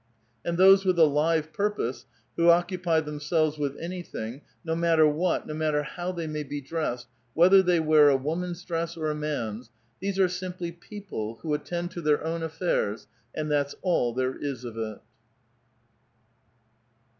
" And those with a live purpose who occupy themselves with anything, no matter what, no matter how they may be dressed, whether they wear a woman's dress or a man's, these are simply people who attend to their own affairs, and that's all there is of it."